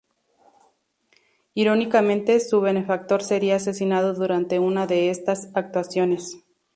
Irónicamente su benefactor sería asesinado durante una de estas actuaciones.